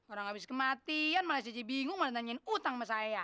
orang habis kematian malah jadi bingung malah nanyain utang sama saya